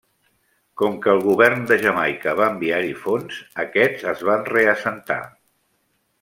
Com que el Govern de Jamaica va enviar-hi fons, aquests es van reassentar.